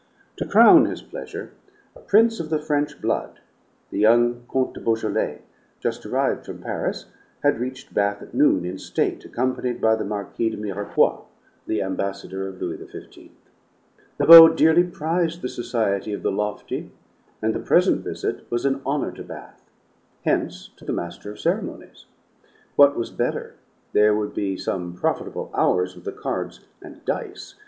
To crown his pleasure, a prince of the French blood, the young Comte de Beaujolais, just arrived from Paris, had reached Bath at noon in state, accompanied by the Marquis de Mirepoix, the ambassador of Louis XV. The Beau dearly prized the society of the lofty, and the present visit was an honor to Bath: hence to the Master of Ceremonies. What was better, there would be some profitable hours with the cards and dice.